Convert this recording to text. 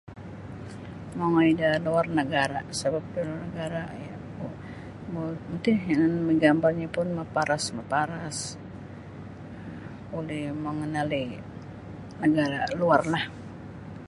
Mongoi da luar nagara sabab da luar nagara [unintelligible] nunu ti yanan migambarnyo pun maparas-maparas buli mengenali nagara luar lah.